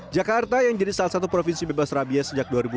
jakarta yang jadi salah satu provinsi bebas rabies sejak dua ribu enam belas